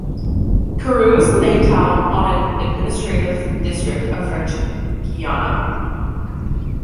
Kourou is the main town on an "administrative district" of French Guyana.